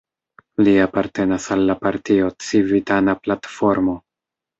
Li apartenas al la partio Civitana Platformo.